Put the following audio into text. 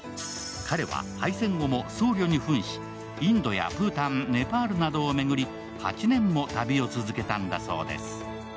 彼は敗戦後も僧侶にふんし、インドやブータンネパールなどを巡り、８年も旅を続けたんだそうです。